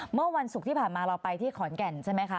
เมื่อวันศุกร์ที่ผ่านมาเราไปที่ขอนแก่นใช่ไหมคะ